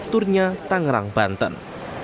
turnya tangerang banten